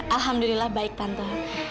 alhamdulillah baik tante